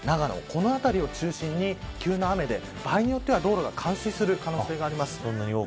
この辺りを中心に急な雨で、場合によっては道路が冠水する可能性があります。